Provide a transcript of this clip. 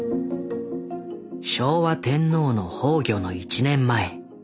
昭和天皇の崩御の１年前。